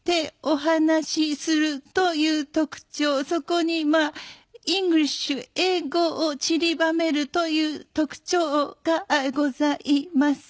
そこにまあイングリッシュ英語をちりばめるという特徴がございます。